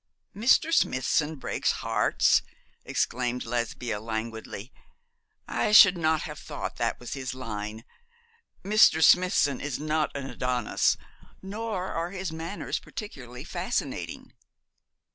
'Mr. Smithson breaks hearts!' exclaimed Lesbia, languidly. 'I should not have thought that was in his line. Mr. Smithson is not an Adonis, nor are his manners particularly fascinating.'